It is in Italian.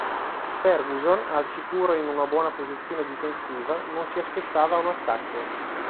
Ferguson, al sicuro in una buona posizione difensiva, non si aspettava un attacco.